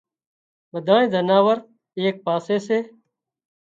ٻڌائي زناور ايڪ پاسي سي